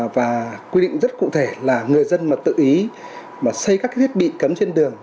và quy định rất cụ thể là người dân mà tự ý mà xây các thiết bị cấm trên đường